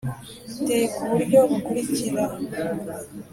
Iteye ku buryo bukurikira